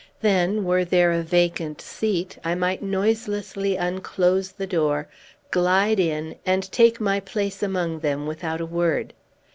Then, were there a vacant seat, I might noiselessly unclose the door, glide in, and take my place among them, without a word.